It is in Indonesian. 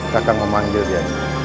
kakak memanggil dia